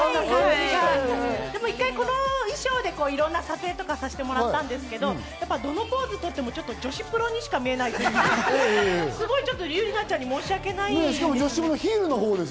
一回この衣装でいろんな撮影とかさせてもらったんですけど、どのポーズを撮ってもちょっと女子プロにしか見えないってことで、ゆりなちゃんに申し訳ない。